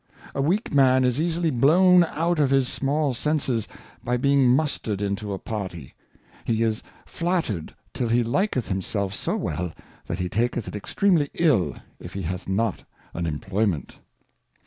A weak man is easily blown out of his small senses, by being muster'd into a Party ; he is flattered till he liketh himself so weU, that he taketh it extremely Ul if he hath not an Employment.